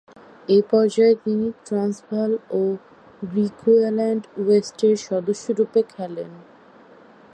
এ পর্যায়ে তিনি ট্রান্সভাল ও গ্রিকুয়াল্যান্ড ওয়েস্টের সদস্যরূপে খেলেন।